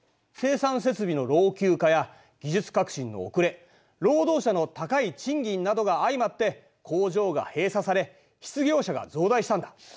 生産設備の老朽化や技術革新の遅れ労働者の高い賃金などが相まって工場が閉鎖され失業者が増大したんだ。